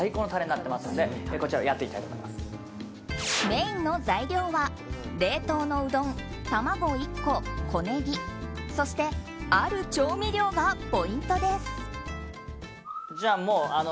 メインの材料は冷凍のうどん卵１個、小ネギそしてある調味料がポイントです。